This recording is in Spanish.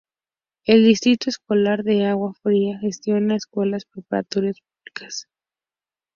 El Distrito Escolar de Agua Fria gestiona escuelas preparatorias públicas.